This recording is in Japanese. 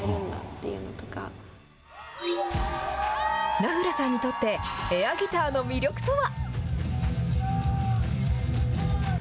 名倉さんにとってエアギターの魅力とは。